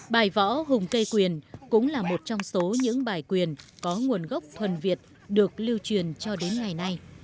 bài võ hùng cây quyền cũng là một trong số những bài quyền có nguồn gốc thuần việt được lưu truyền cho đến ngày nay